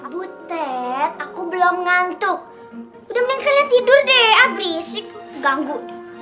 butet aku belum ngantuk udah mending kalian tidur deh abrisik ganggu